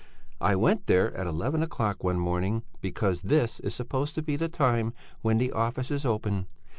I went there at eleven o'clock one morning, because this is supposed to be the time when the offices open.